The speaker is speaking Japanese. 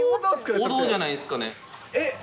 王道じゃないですかね。